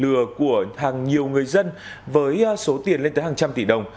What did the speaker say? lừa của hàng nhiều người dân với số tiền lên tới hàng trăm tỷ đồng